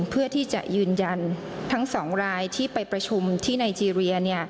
เพื่อที่จะยืนยันทั้ง๒รายที่ไปประชุมที่ไนเจรีย